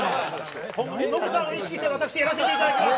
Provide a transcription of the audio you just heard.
ノブさんを意識して私やらせていただきます！